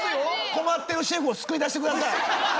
困ってるシェフを救い出してください。